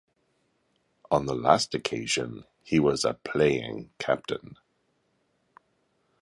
On the last occasion, he was a playing captain.